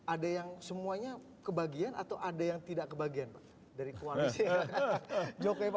ada yang semuanya kebagian atau ada yang tidak kebagian pak dari koalisi